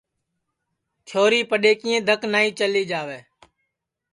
چھوری پڈؔیکِئیں دھک نائی چلی جاوے